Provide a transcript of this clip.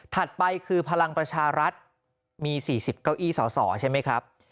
ไปคือพลังประชารัฐมี๔๐เก้าอี้สอสอใช่ไหมครับ